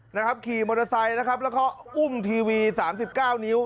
นะครับขี่มอเตอร์ไซค์นะครับแล้วก็อุ้มทีวีสามสิบเก้านิ้ว